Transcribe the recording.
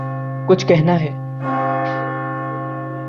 کچھ کہنا ہے